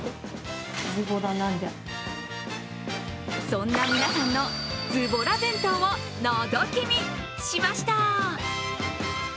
そんな皆さんのズボラ弁当をのぞき見しました。